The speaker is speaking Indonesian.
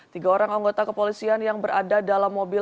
tiga orang anggota kepolisian yang berada dalam mobil